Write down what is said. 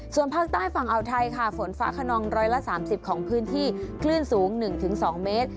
ส่วนภาคใต้ฝั่งอาวไทยค่ะฝนฟ้าขนองร้อยละสามสิบของพื้นที่คลื่นสูงหนึ่งถึงสองเมตร